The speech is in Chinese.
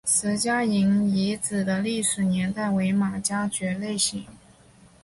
石家营遗址的历史年代为马家窑类型。